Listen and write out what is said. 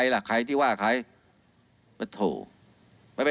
รัฐมนตรี